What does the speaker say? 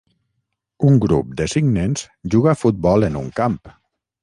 Un grup de cinc nens juga a futbol en un camp.